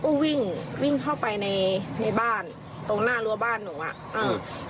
ก็วิ่งวิ่งเข้าไปในในบ้านตรงหน้ารั้วบ้านหนูอ่ะอ่า